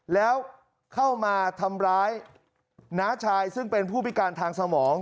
แล้วเข้ามาทำร้ายน้าชายซึ่งเป็นผู้พิการทางสมอง